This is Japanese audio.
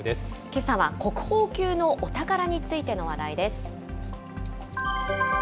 けさは国宝級のお宝についての話題です。